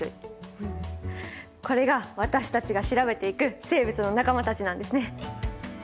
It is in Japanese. これが私たちが調べていく生物の仲間たちなんですね。